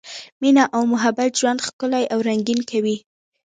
مینه او محبت ژوند ښکلی او رنګین کوي.